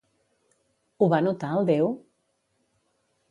Ho va notar el déu?